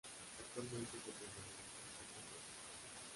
Actualmente es entrenador pero se encuentra sin equipo.